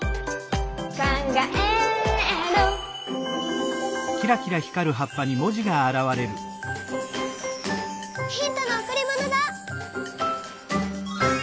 「かんがえる」ヒントのおくりものだ！